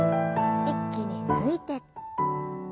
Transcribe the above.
一気に抜いて。